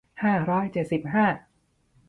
ห้าร้อยเจ็ดสิบห้า